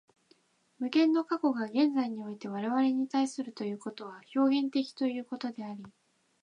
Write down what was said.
無限の過去が現在において我々に対するということは表現的ということであり、